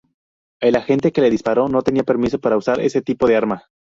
El agente que le disparó no tenía permiso para usar ese tipo de arma.